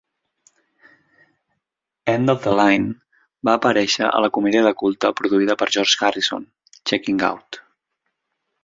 "End of the Line" va aparèixer a la comèdia de culte produïda per George Harrison, "Checking Out".